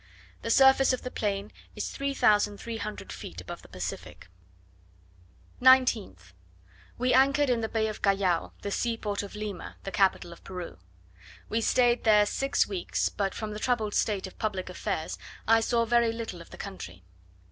The surface of the plain is 3300 feet above the Pacific. 19th. We anchored in the Bay of Callao, the seaport of Lima, the capital of Peru. We stayed here six weeks but from the troubled state of public affairs, I saw very little of the country.